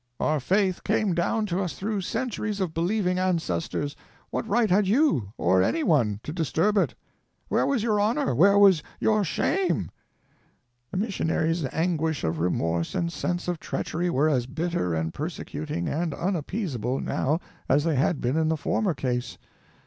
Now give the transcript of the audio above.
Our faith came down to us through centuries of believing ancestors; what right had you, or any one, to disturb it? Where was your honor, where was your shame_?" The missionary's anguish of remorse and sense of treachery were as bitter and persecuting and unappeasable, now, as they had been in the former case.